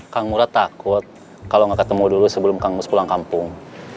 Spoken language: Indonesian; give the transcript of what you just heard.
kang mura takut kalau nggak ketemu dulu sebelum kang mus pulang kampung